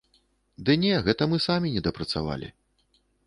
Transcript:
Ды не, гэта мы самі недапрацавалі!